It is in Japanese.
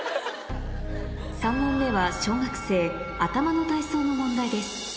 ３問目は小学生頭の体操の問題です